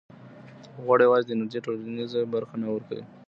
غوړ یوازې د انرژۍ ټولیزه برخه نه ورکوي.